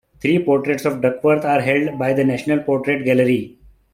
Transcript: Three portraits of Duckworth are held by the National Portrait Gallery.